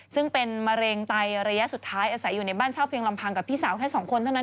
ซึ่งเป็นมะเร็งไตระยะสุดท้ายอาศัยอยู่ในบ้านเช่าเพียงลำพังกับพี่สาวแค่สองคนเท่านั้น